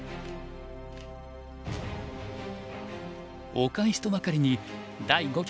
お返しとばかりに第五局